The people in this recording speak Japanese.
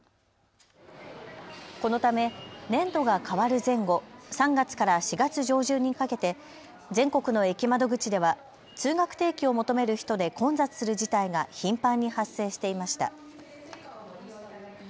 このため年度が替わる前後、３月から４月上旬にかけて全国の駅窓口では通学定期を求める人で混雑する事態が頻繁に発生していました。